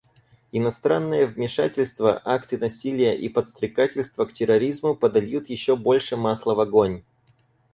Иностранное вмешательство, акты насилия и подстрекательство к терроризму подольют еще больше масла в огонь.